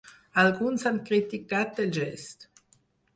Alguns han criticat el gest.